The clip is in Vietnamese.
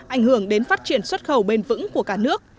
ảnh hưởng đến phát triển xuất khẩu bền vững của cả nước